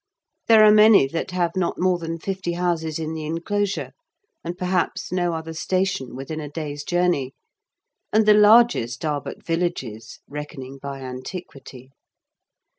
There are many that have not more than fifty houses in the enclosure, and perhaps no other station within a day's journey, and the largest are but villages, reckoning by antiquity.